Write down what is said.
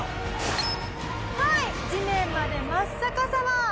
はい地面まで真っ逆さま！